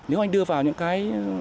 nếu anh đưa vào những cái